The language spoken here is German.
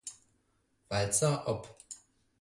Walzer op.